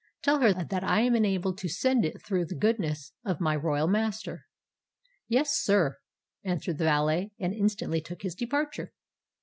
Tell her that I am enabled to send it through the goodness of my royal master." "Yes, sir," answered the valet, and instantly took his departure.